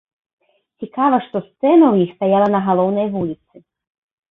Цікава што сцэна ў іх стаяла на галоўнай вуліцы.